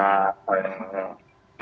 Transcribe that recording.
hmm jadi tidak bisa